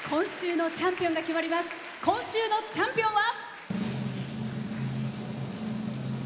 今週のチャンピオンは。